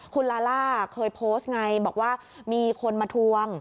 คุณลาล่าเคยโพสต์ไงบอกว่ามีคนมาทวง